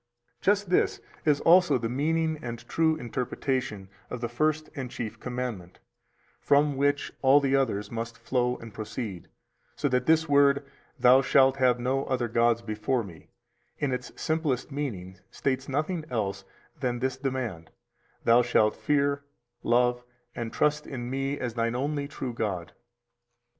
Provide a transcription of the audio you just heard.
324 Just this is also the meaning and true interpretation of the first and chief commandment, from which all the others must flow and proceed, so that this word: Thou shalt have no other gods before Me, in its simplest meaning states nothing else than this demand: Thou shalt fear, love, and trust in Me as thine only true God.